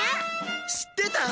知ってた？